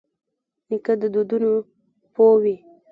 نیکه د دودونو پوه وي.